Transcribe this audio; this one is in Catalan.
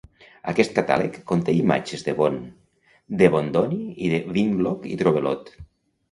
Aquest catàleg conté imatges de Bond, de Bondoni i de Winlock i Trouvelot.